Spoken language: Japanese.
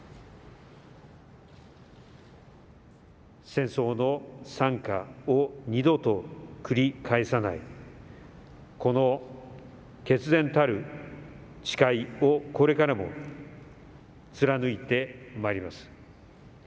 戦争の惨禍を二度と繰り返さないこの決然たる誓いをこれからも貫いてまいります。